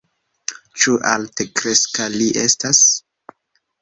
Ĉu altkreska li estas?